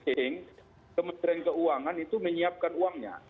kalau uangnya sudah ada itu menyiapkan uangnya kalau uangnya sudah ada itu menyiapkan uangnya